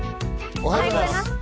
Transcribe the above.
おはようございます。